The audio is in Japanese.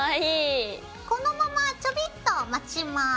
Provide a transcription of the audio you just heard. このままちょびっと待ちます。